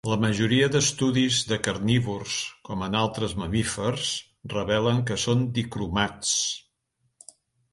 La majoria d'estudis de carnívors, com en altres mamífers, revelen que són dicromats.